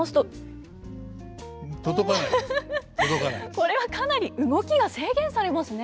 これはかなり動きが制限されますね。